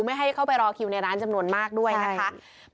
ไม่ให้เข้าไปรอคิวในร้านจำนวนมากด้วยนะคะ